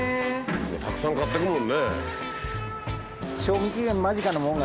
たくさん買っていくもんね。